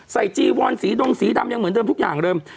จีวอนสีดงสีดำยังเหมือนเดิมทุกอย่างเดิม